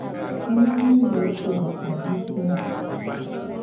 Mi mu le kplo anyigba oo.